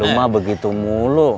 lu mah begitu mulu